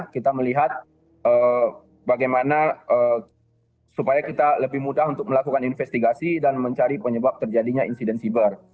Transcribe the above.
kita melihat bagaimana supaya kita lebih mudah untuk melakukan investigasi dan mencari penyebab terjadinya insiden siber